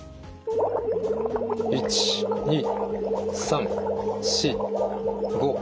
１２３４５。